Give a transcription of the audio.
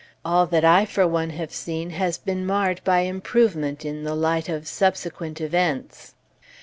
All that I, for one, have seen, has been marred by improvement in the light of subsequent events."